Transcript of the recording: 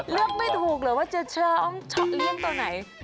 เลือกไม่ถูกหรือว่าจะเชิงเลี่ยงตอนไหน